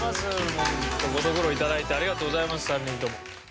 ホントご足労頂いてありがとうございます３人とも。